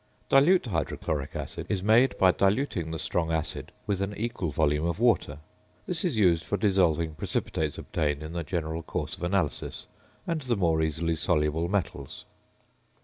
~Dilute Hydrochloric Acid~ is made by diluting the strong acid with an equal volume of water. This is used for dissolving precipitates obtained in the general course of analysis and the more easily soluble metals.